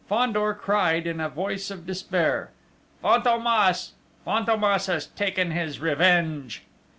Fandor cried, in a voice of despair: "Fantômas! Fantômas has taken his revenge!"